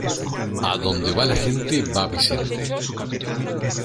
Adonde va la gente, va Vicente.